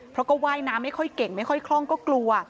เพราะก็ว่ายน้ำไม่ค่อยเก่งไม่ค่อยคล่องก็กลัว